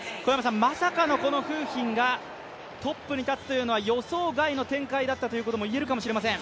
まさかの馮彬が、トップに立つというのは予想外の展開だったということもいえるかもしれません。